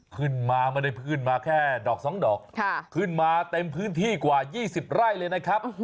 ขึ้นมาไม่ได้ขึ้นมาแค่ดอกสองดอกขึ้นมาเต็มพื้นที่กว่า๒๐ไร่เลยนะครับ